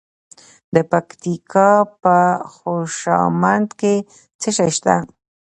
د پکتیکا په خوشامند کې څه شی شته؟